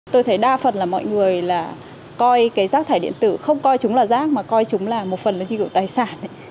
tôi thấy đa phần là mọi người là coi cái rác thải điện tử không coi chúng là rác mà coi chúng là một phần là khi gửi tài sản